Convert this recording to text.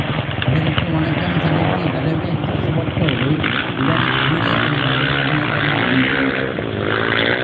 அவருக்கு வணக்கம் செலுத்தி வரவேற்ற சுவட்டோடு உடன் உள்ளே சென்றான் குமரன் நம்பி.